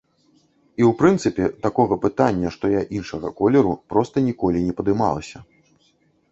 І, у прынцыпе, такога пытання, што я іншага колеру, проста ніколі не падымалася.